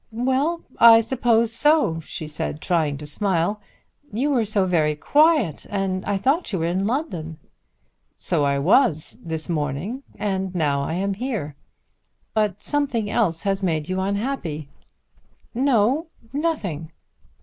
"Well, I suppose so," she said trying to smile. "You were so very quiet and I thought you were in London." "So I was this morning, and now I am here. But something else has made you unhappy." "No; nothing."